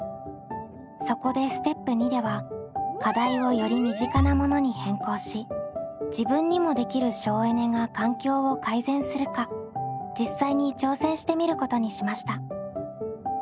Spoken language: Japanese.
そこでステップ②では課題をより身近なものに変更し自分にもできる省エネが環境を改善するか実際に挑戦してみることにしました。